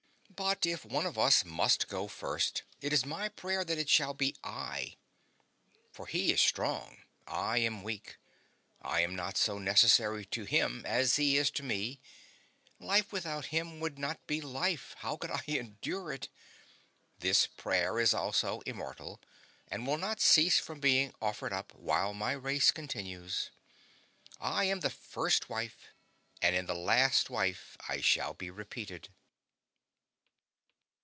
But if one of us must go first, it is my prayer that it shall be I; for he is strong, I am weak, I am not so necessary to him as he is to me life without him would not be life; how could I endure it? This prayer is also immortal, and will not cease from being offered up while my race continues. I am the first wife; and in the last wife I shall be repeated.